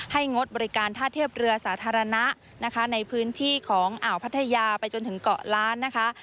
งดบริการท่าเทียบเรือสาธารณะนะคะในพื้นที่ของอ่าวพัทยาไปจนถึงเกาะล้านนะคะ